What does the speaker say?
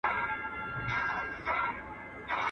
ټولوي رزق او روزي له لویو لارو.